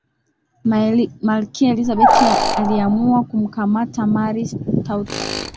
malkia elizabeth aliamua kumkamata mary stuart